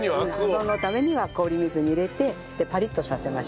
保存のためには氷水に入れてパリッとさせましょう。